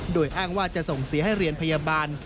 โดยอ้างว่าจะส่งเสียให้เรียนพยาบาล